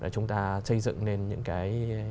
chúng ta xây dựng nên những cái